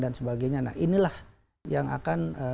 dan sebagainya nah inilah yang akan